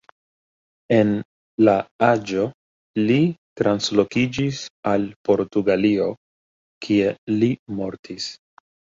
En la aĝo li translokiĝis al Portugalio, kie li mortis.